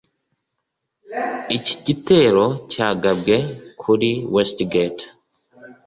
Icyi gitero cya gabwe kuri Westgate